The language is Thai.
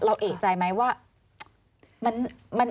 เราเอกใจไหมว่า